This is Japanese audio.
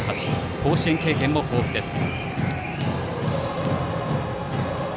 甲子園経験も豊富です。